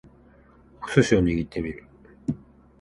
お寿司を握ってみる